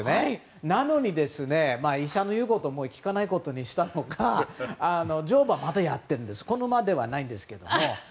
なのに、医者の言うことを聞かないことにしたのか乗馬、まだやっているんですこの馬ではないんですけど。